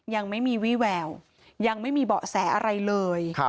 ยังไม่มีวี่แววยังไม่มีเบาะแสอะไรเลย